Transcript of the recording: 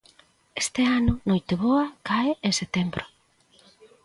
Este ano, Noiteboa cae en setembro.